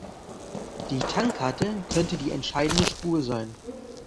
Die Tankkarte könnte die entscheidende Spur sein.